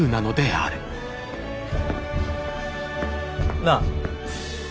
なあ。